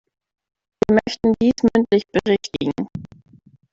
Wir möchten dies mündlich berichtigen.